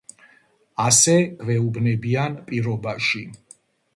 ასე გვეუბნებიან პირობაში.